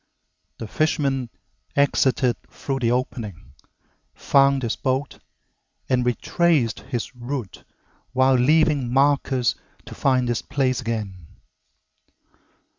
The fisherman exited through the opening, found his boat, and retraced his route while leaving markers to find this place again.